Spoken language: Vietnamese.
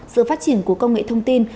sự phát triển của công nghệ thông tin